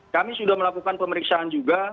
kami sudah melakukan pemeriksaan juga